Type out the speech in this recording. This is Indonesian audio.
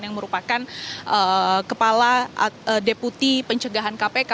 yang merupakan kepala deputi pencegahan kpk